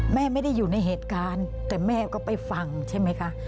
ไม่ได้อยู่ในเหตุการณ์แต่แม่ก็ไปฟังใช่ไหมคะ